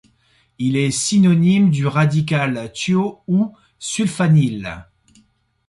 Il est synonyme du radical thio ou sulfanyl.